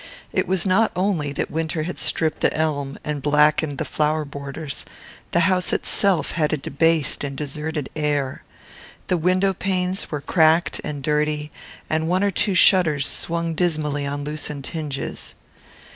It was not only that winter had stripped the elm, and blackened the flower borders: the house itself had a debased and deserted air. The window panes were cracked and dirty, and one or two shutters swung dismally on loosened hinges.